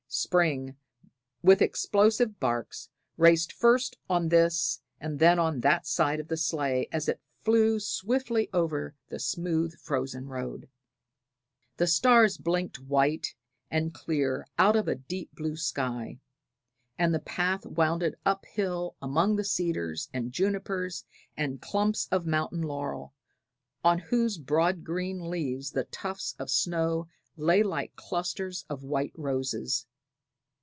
Spring, with explosive barks, raced first on this and then on that side of the sleigh as it flew swiftly over the smooth frozen road. The stars blinked white and clear out of a deep blue sky, and the path wound up hill among cedars and junipers and clumps of mountain laurel, on whose broad green leaves the tufts of snow lay like clusters of white roses.